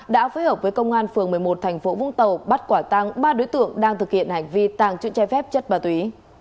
đã phối hợp với công an phường một mươi một tp vũng tàu bắt quả tăng ba đối tượng đang thực hiện hành vi tàng truyện che phép chất ma túy